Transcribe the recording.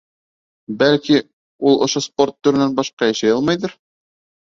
— Бәлки, ул ошо спорт төрөнән башҡа йәшәй алмайҙыр?